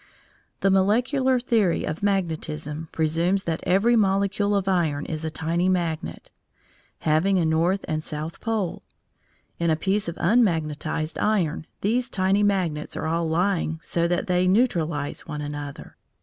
The molecular theory of magnetism presumes that every molecule of iron is a tiny magnet, having a north and south pole. In a piece of unmagnetised iron, these tiny magnets are all lying so that they neutralise one another.